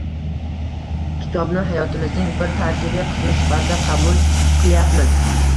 Kitobni hayotimizning bir tarkibiy qismi sifatida qabul qilyapmiz.